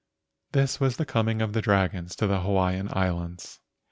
This was the coming of dragons to the Ha¬ waiian Islands.